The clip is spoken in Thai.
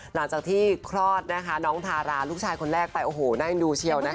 หลังจากที่คลอดนะคะน้องทาราลูกชายคนแรกไปโอ้โหน่าเอ็นดูเชียวนะคะ